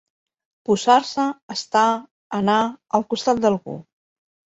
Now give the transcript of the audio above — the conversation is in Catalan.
Posar-se, estar, anar, al costat d'algú.